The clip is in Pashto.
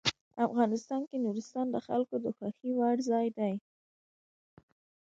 افغانستان کې نورستان د خلکو د خوښې وړ ځای دی.